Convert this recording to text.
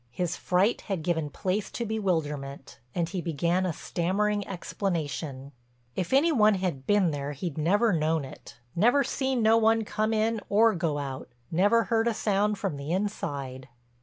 His fright had given place to bewilderment and he began a stammering explanation—if any one had been there he'd never known it, never seen no one come in or go out, never heard a sound from the inside.